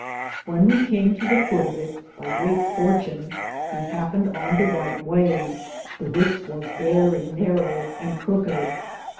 When we cam to the foute of it, by greate fortune we hapened on the ryghte waye, the which was verrie narrow and crouked.